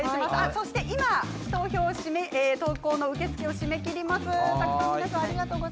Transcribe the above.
そして今、投稿を締め切ります。